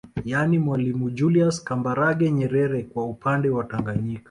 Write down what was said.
Yani Mwalimu Julius Kambarage Nyerere kwa upande wa Tanganyika